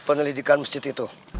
penelidikan masjid itu